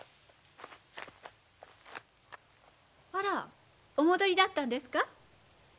あらお戻りだったんですか？